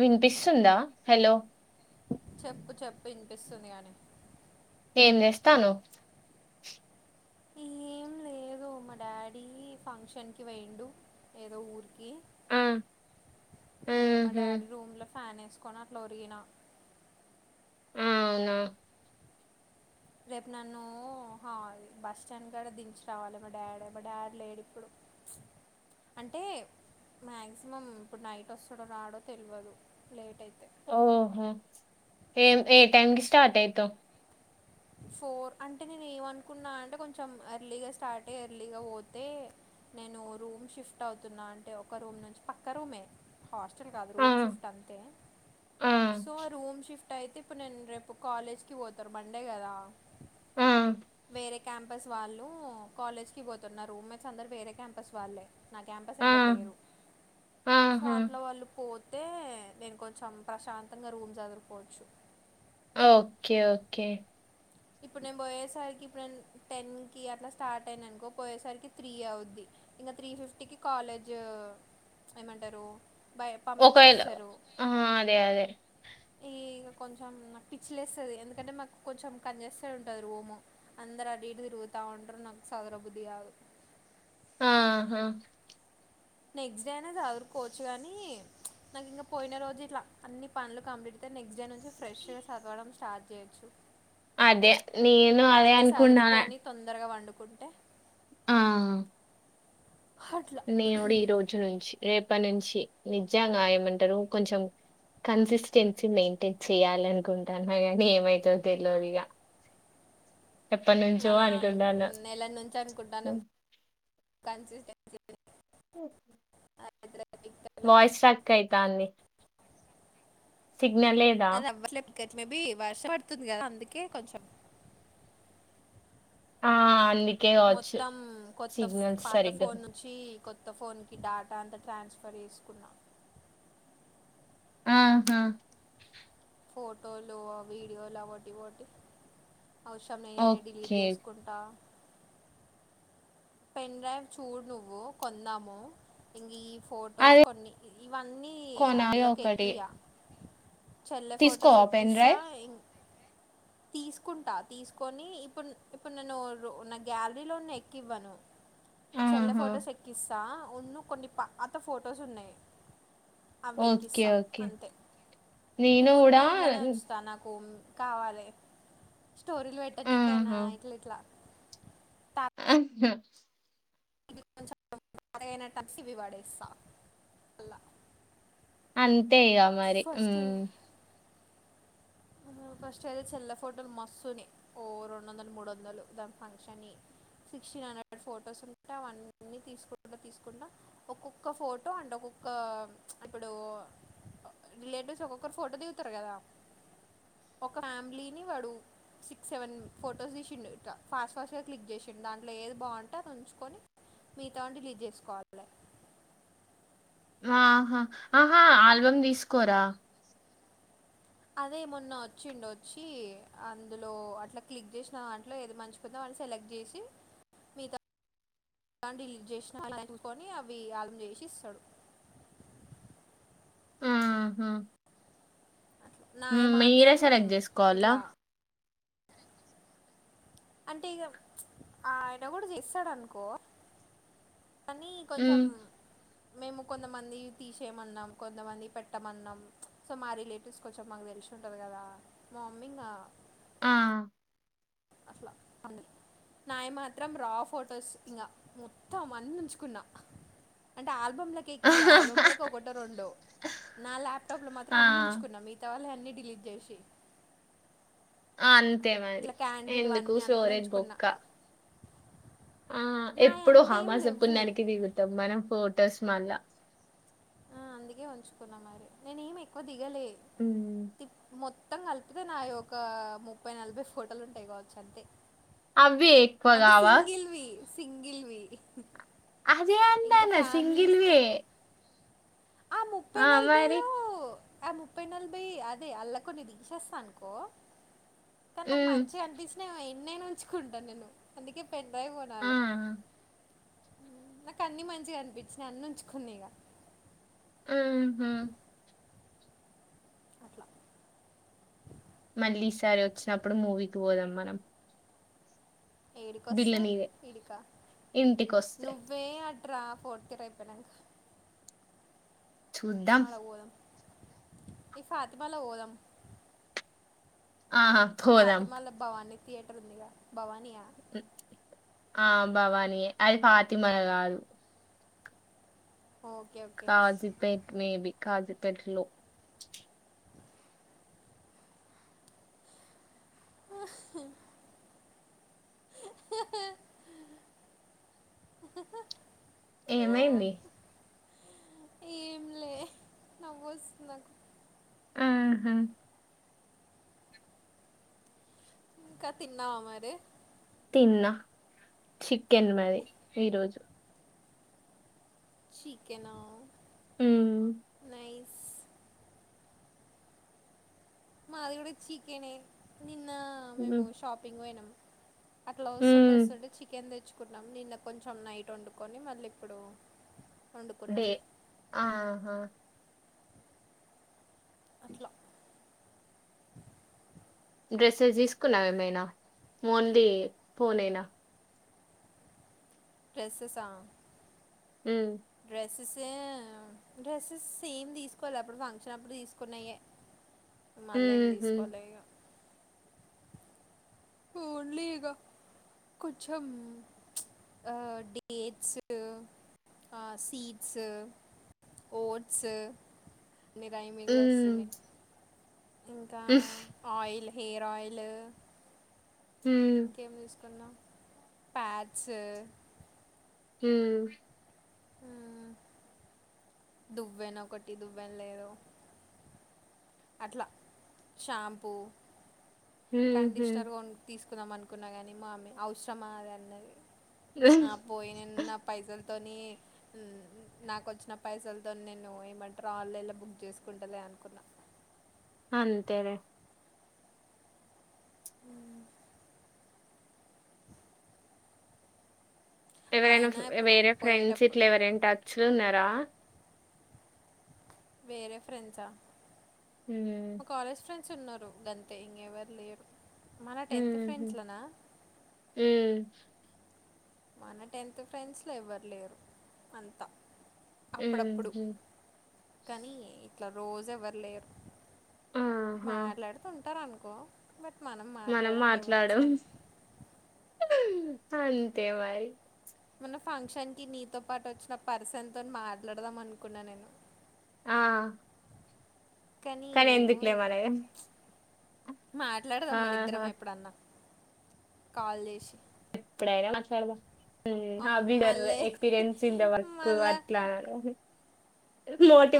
విన్పిస్తుందా హెలో చెప్పు చెప్పు ఇన్పిస్తుంది కానీ ఏం చేస్తానవ్ ఏం లేదు మా డాడీ ఫంక్షన్కి పోయిండు ఏదో ఊరికి ఆ ఏ మా ఆహా డాడీ రూమ్ ల ఫ్యాన్ ఏసుకోని అట్ల ఒరిగిన అవునా రేపు నన్ను హా బస్ స్టాండ్ కాడ దించి రావాలి మా డాడే మా డాడీ లేడిప్పుడు అంటే మ్యాక్సిమం ఇప్పుడు నైట్ ఒస్తడో రాడో తెల్వదు లేట్ అయితే ఓహో ఏం ఏ టైమ్ కి స్టార్ట్ అయితవ్ ఫోర్ అంటే నేను ఏమనుకున్నా అంటే కొంచెం ఎర్లీగా స్టార్ట్ అయ్యి ఎర్లీగా పోతే నేను రూమ్ షిఫ్ట్ అవుతున్నా అంటే ఒక రూమ్ నుంచి పక్క రూమే హాస్టల్ గాదు ఆ రూమ్ షిఫ్ట్ అంతే ఆ సో ఆ రూమ్ షిఫ్ టయితే ఇప్పుడు నేను రేపు కాలేజ్ కి పోతరు మండే కదా ఆ వేరే క్యాంపస్ వాళ్ళు కాలేజ్ కి పోతరు నా రూమ్మేట్స్ అందరు వేరే క్యాంపస్ వాళ్ళే నా క్యాంపస్ ఆ ఎవ్వర్ లేరు సో ఆహా అట్లో వాళ్ళు పో తే నేను కొంచెం ప్రశాంతంగా రూమ్ సదురు కోవచ్చు ఓకే ఓకే ఇప్పుడు నేను పోయేసరికి ఇప్పుడు నేను టెన్ కి అట్లా స్టార్ట్ అయిననుకో పోయేసరికి త్రీ అవుద్ది ఇంగ త్రీ ఫిఫ్టీకి కాలేజ్ ఏమంటరూ బయ ఒకవేళ పంపించేస్తరు ఆ అదే అదే ఈ ఇగ కొంచెం నాక్ పిచ్చిలేస్తది ఎందుకంటే మాకు కొంచెం కాంజెస్టెడ్ ఉంటది రూము అందరు అటు ఈటు తిరుగుతా ఉంటరు నాకు సదరబుద్ధి కాదు ఆహా నెక్స్ట్ డే అయిన సదురుకోవచ్చు గనీ నాకింగ పోయిన రోజు ఇట్ల అన్ని పనులు కంప్లీటయితే నెక్స్ట్ డే నుంచి ఫ్రెష్గా చదవడం స్టార్ట్ చేయొచ్చు అదే నేను అదే అనుకుంటాన తొందరగ పండుకుంటే ఆ అట్లా నేనుగుడ ఈ రోజు నుంచి రేపనుంచి నిజంగ ఏమంటరు కొంచెం కన్సిస్టెన్సీ మెయింటైన్ చేయాలనుకుంటాన్న గని ఏమైతదో తెల్వదిగ ఎప్పటి నుంచో మనాన్కు అనుకుంటాన్న నెల నుంచి అనుకుంటాన కన్సిస్టెన్సీ [unintelligible] ఓ అ [unintelligible] వాయిస్ స్ట్రక్ అయితాంది సిగ్నల్ లేద్ అదవ్వట్లే మే బీ వర్ష పడుతుంది గదా అందుకే కొంచెం ఆ అంది మొత్తం కొత్త ఫ్ పాత సరిగ్గా ఫోన్ చ్చి కొత్త ఫోన్కి డాటా అంతా ట్రాన్స్ఫర్ చేసుకున్నా ఆహా ఫోటోలు ఆ వీడియోలు అవ్వోటి ఇవ్వోటి అవసరం లేనియన్ని డిలీట్ ఓకే చేసుకుంటా టా పెన్డ్రైవ్ చూడు నువ్వు కొందాము ఇంగియ్యి ఫొటోస్ అదే కొన్ని ఇ ఇవన్నీ కొనాలి అందులోకి ఒకటి ఎక్కియా చర్లే ఫొటోస్ తీసుకోవా పెన్ ఎక్కిస్తా డ్రైవ్ ఇం తీసుకుంటా తీసుకొని ఇప్పుడు ను ఇప్పుడు నేను నా గ్యాలరీలో ఎక్కివ్వను చెల్ల ఆహా ఫొటోస్ ఎక్కిస్తా ఉన్ను కొన్ని పాత ఫొటోస్ ఉన్నయ్ ఓకే అవెక్కిస్తా ఓకే అంతే నేను కూడా ఇవున్నయి ఇల్లనే వుంచుతా నాకు కావాలి స్టోరీలు పెట్ట డనికైనా ఆహా ఇట్లా ఇట్లా అహ్ ఇది కొంచెం అయినట్ ఇవి వాడేస్తా అంతే ఇక మరి ఉ ఫస్ట్ ఫస్ట్ అయితే చెల్లె ఫోటోలు మస్సు వున్నాయి ఓ రెండు వందలు మూడు వందలు దాని ఫంక్షన్ వి సిక్స్టీన్ హండ్రెడ్ ఫొటోస్ ఉంటే అవన్నీ తీసుకుంట తీసుకుంటా ఒక్కొక్క ఫోటో అండ్ ఒక్కొక్క చ్ ఇప్పుడు రిలేటివ్స్ ఒక్కొక్కరు ఫోటో దిగుతారు కదా ఒక ఫ్యామిలీని వడు సిక్స్ సెవెన్ ఫొటోస్ తీసిండు ఇట్ట ఫాస్ట్ ఫాస్ట్గా క్లిక్ చేసిండు దాంట్లో ఏది బాగుంటే అది ఉంచుకొని మిగతావాన్ని డిలీట్ చేసుకోవాలి ఆహా ఆహా ఆల్బమ్ తీసుకోరా అదేమన్న వచ్చిండు వచ్చి అందులో అట్లా క్లిక్ చేసిన దాంట్లో ఏది మంచి వదిన వాళ్లు సెలెక్ట్ చేసి మీగత ఇలాంటివి డిలీట్ చేసిన అలా అవి ఆలం చేసి ఇస్తాడు హూ హ అట్లా నాయ హ్మ్ మీరే మాత్రం సెలెక్ట్ చేసుకోవాలా ఇట్లా అంతే ఇక చ్ ఆయన కూడా తిస్తాడనుకో కానీ కొంచం మ్మ్ మేము కొంతమంది తీసేయమన్నాం కొంతమంది పెట్టమన్నాం సో మా రిలేటివ్స్ కొంచెం మాకు తెలిసి ఉంటది కదా మా అమ్మీ ఇంకా ఆ అట్ల అన్ నాయి మాత్రం రా ఫొటోస్ ఇంగా మొత్తం అన్ని ఉంచుకున్నా అంటే ఆల్బమ్ లోకి ఎక్కి ఆల్బమ్ల్ ఒకటో రెండో నా ల్యాప్టాప్ లో మాత్రం అన్ని ఆ ఉంచుకున్నా మిగత వాళ్ళవి అన్ని డిలీట్ చేసి ఆ అంతే మరి ఇట్లా క్యాండిడ్ ఎందుకు అన్నీ అన్నీ స్టోరేజ్ ఉంచుకున్నా బొక్క ఆ నా ఎప్పుడు అంత ఏం అమాస లేవు పుణ్యానికి దిగుతాం మనం ఫొటోస్ మళ్ళా ఆ అందుకే ఉంచుకున్నా మరి నేను ఏమి ఎక్కువ దిగలే ఉ మొత్తం కలిపితే నాయి ఒక ముప్పై నలభై ఫోటోలు ఉంటాయ్ కావోచ్చు అంతే అవి ఎక్కువ అంటే గావా? సింగిల్వి సింగిల్వి అదే ఇంకా అంటాన్న సింగ్లేవే ఓ ముప్పై మరి. నలభైలో ఆ ముప్పై నలభై అదే అళ్లా కొన్ని తీసేస్తా అనుకోను నాకు హ్మ్. మంచిగ అనిపిస్తే నే ఏనైనా ఉంచుకుంటా నేను అందుకే పెన్ డ్రైవ్ ఆ! కొనాలే నాకు అన్ని మంచిగా అనిపించినాయి అన్ని ఉంచుకున్న ఇగ ఉహు అట్లా మళ్ళీ ఈసారి వచ్చినప్పుడు మూవీకి పోదాం మనం బిల్లు ఏడికొస్తావ్ నీదే. ఇడికా ఇంటికొస్తే. నువ్వ్ వే అట్రా ఫోర్త్ ఇయర్ అయిపోయినాక చూద్దాం. అడ పోదాం ఈ ఫాతిమలో పోదాం ఆహా పోదాం. ఫాతిమాలో భవానీ థియేటర్ ఉందిగా భవాని ఆ భవానీ ఎం అది ఫాతిమలొ గాదు ఓకే ఓక్ కాజీపేట్ మే బి కాజీపేట్ లో ఆ ఏమైంది ఏం లే నవ్వొస్తుంది నాకు ఉమ్ హ్ ఇంకా తిన్నావా మరి తిన్నా చికెన్ మది ఈరోజు చికెను హ్మ్. నై మాది గూడ చికెనే నిన్న మేము హ్మ్. షాపింగ్ పోయినం అట్ల వస్తుంటే హ్మ్. వస్తుంటే చికెన్ దెచ్చుకున్నాం నిన్న కొంచెం నైట్ వండుకొని మళ్ళీ ఇప్పుడు వండుకున్నాం ఆహా అట్లా డ్రెస్సెస్ తీసుకున్నవ ఏమైనా మోన్లీ ఫోన్ ఏనా డ్రెస్సెసా ఉమ్ డ్రెస్సెస్ డ్రెస్సెస్ ఏమ్ తీసుకోలే అప్పుడు ఫంక్షన్ అప్పుడు తీసుకున్నయే మళ్ళ ఏం హుహు. దీసుకోలే ఇగ పోన్లే ఇగ కొంచెం ఆ డేట్స్ ఆ సీడ్స్ ఓట్స్ అన్ని రైమింగ్ లో వస్తున్నయ్ ఇంకా ఉఫ్ ఆయిల్ హెయిర్ ఆయిల్ ఉమ్ ఇంకేం తీసుకున్నా ప్యాడ్స్ ఉమ్ ఆ దువ్వెన ఒకటి దువ్వెన లేదు అట్లా షాంపూ హుహు. కండిషనర్ గొన్ తీసుకుందాం అనుకున్నా కాని మామ్మే అవసరమాది అన్నది పోయినేన్ నా పైసలతోనీ ఉమ్ నాకొచ్చిన పైసలతో నేను ఏమంటరు ఆన్లైన్లో బుక్ చేసుకుంటలే అనుకున్నా అంతేలే ఉమ్ ఎవరైనా ఆయన ఇప్పుడు వేరే ఫ్రెండ్స్ ఇట్ల పోయేటప్పుడు ఎవరైనా టచ్లున్నరా వేరే ఫ్రెండ్స హ్మ్. మా కాలేజీ ఫ్రెండ్స్ డ్స్ ఉన్నరు గంతే ఇంగ ఎవరు లేరు మన టెన్త్ ఫ్రెండ్స్లనా ఉమ్ మన టెన్త్ ఫ్రెండ్స్లో ఎవ్వరు లేరు అంతా అప్పుడప్పుడు హుహు. కనీ ఇట్లా రోజెవ్వరు లేరు ఆహా! మాట్లాడుతె ఉంటరనుకో బట్ మనం మాట్లాడంగ ఎవ్వర్తోని అంతే మరి మొన్న ఫంక్షన్ కి నీతో పాటు వచ్చిన పర్సన్ తోని మాట్లాడదాం అనుకున్నా నేను. ఆ కానీ ఏమో ఎందుకులే ఇగ మనది మాట్లాడదాం మన ఆహా ఇద్దరం ఎప్పుడన్నా కాల్ చేశి ఎప్పుడైనా మాట్లాడదాం. ఉమ్ అమ్- అభి డర్రే మళ్ళీ ఎక్స్పీరిన్స్ ఇన్ ద వర్క్ మళ్ళా అట్లా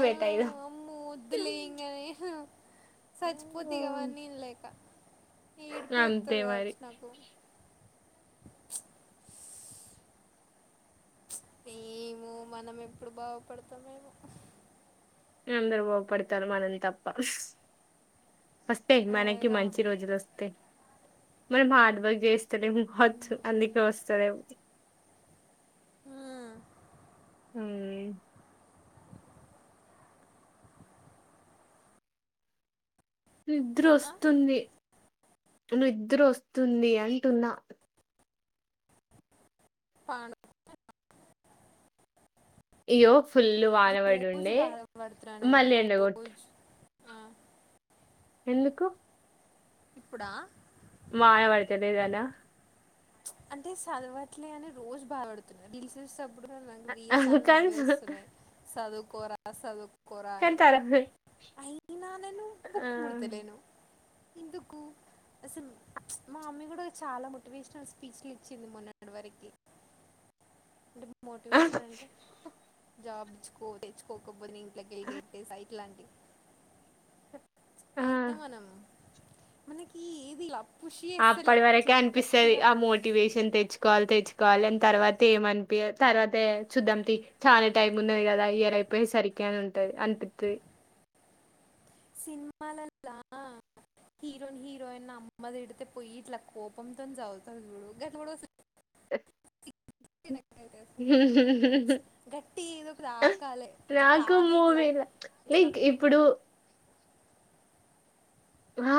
"ఆ, అయిదాం. అమ్మో వద్దులే ఇంగ నేను సచ్చిపోత ఇగ అవన్నీ వినలేక. ఏడుపే అంతే వత్తది మరి కావచ్చు నాకు. ఏమో మనం ఎప్పుడు బాగుపడతమేమో. అందరు బాగుపడతారు మనం తప్ప. వస్తయి మనకి అదేగా మంచి రోజులు వస్తయి. మనం హార్డ్ వర్క్ చేస్ చలేము హత్ అందుకే వస్తలేవు. ఆ హ్ నిద్ర ఆ, వస్తుంది, నిద్ర వస్తుంది అంటున్నా. పాండు ఇయ్యో ఫుల్ వాన పడి రోజు ఉండే బాధ పడుతున్నా నేను మళ్ళీ ఎండగొట్టు రోజు ఆ ఎందుకు? ఇప్పుడా వాన వడతలేదు అనా. అంటే సదవట్లే అని రోజు బాధపడు రీల్స్ చూసేటప్పుడు కూడ నాకు రీల్స్ అన్ని కానీ అవే వస్తున్నయి సదువుకోరా. సదువు కోరా కానీ అని. తర అయినా నేను ఆ బుక్ ముడతలేను. ఎందుకు? అసలు మా మమ్మీ కూడా చాలా మోటివేషనల్ స్పీచ్లు ఇచ్చింది మొన్నటి వరకి. అంటే మోటివేషన్ అంటే జాబ్ తేచ్చుకో తెచ్చుకోకపోతే నేను ఇంట్లోకెళ్లి గెంటేస్తా బయ ఇట్లాంటియి ఆ అయినా మనం మనకి ఏదిలాభ్ అప్పటి వరకే అనిపిస్తది ఆ మోటివేషన్ తెచ్చు కోవాలి తెచ్చుకోవాలి అని తర్వాత ఏమనిపియదు తర్వాత చుద్దాం తి చాలా టైమ్ ఉన్నది కదా ఇయర్ అయిపోయి సరికి అని ఉంటది అనిపిత్తది. సినిమాలల్లా హీరోన్ హీరోయిన్ అమ్మదిడితే పోయి ఇట్లా కోపంతోని చదువుతది చూడు గట్ల కూడా వస్తలేదు. నాకైతే అసలు. గట్టి ఏదో ఒక తాకాలే ఇట్లా రాకు తాగి ఇట్లా మూవీలా ఇట్లా లైక్ ఇ ప్పుడు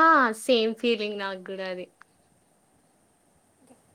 ఆ సేమ్ ఫీలింగ్ నాకు కూడా అది. ఓకే